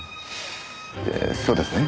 えーそうですね。